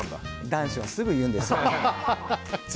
男子はすぐ言うんです。